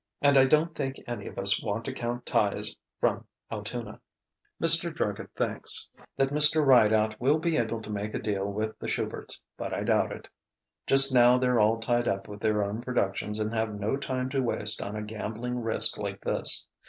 And I don't think any of us want to count ties from Altoona.... "Mr. Druggett thinks that Mr. Rideout will be able to make a deal with the Shuberts, but I doubt it. Just now they're all tied up with their own productions and have no time to waste on a gambling risk like this.